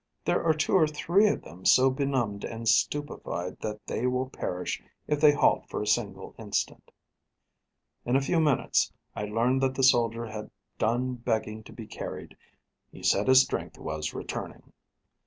There are two or three of them so benumbed and stupified, that they will perish if they halt for a single instant.' In a few minutes, I learned that the soldier had done begging to be carried; he said his strength was returning.